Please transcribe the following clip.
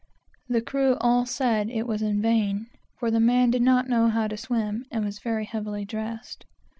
The crew all said that it was in vain, for the man did not know how to swim, and was very heavily dressed.